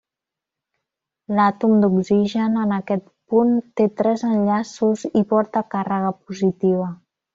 L'àtom d'oxigen en aquest punt té tres enllaços i porta càrrega positiva.